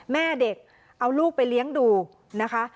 แม่เด็กเอาลูกไปเลี้ยงดูนะคะ